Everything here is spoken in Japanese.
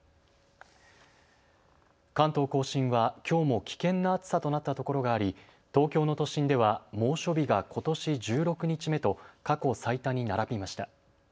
関東甲信はきょうも危険な暑さとなったところがあり東京の都心では猛暑日がことし１６日目と過去最多に並びました。